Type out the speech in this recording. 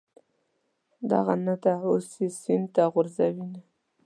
دغه نه ده، اوس یې سین ته غورځوینه.